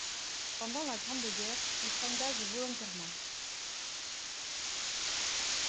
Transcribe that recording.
Pendant la Grande Guerre, il s'engage volontairement.